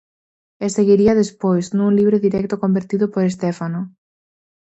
E seguiría despois, nun libre directo convertido por Estéfano.